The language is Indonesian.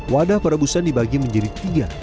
wadah perebusan dibagi menjadi tiga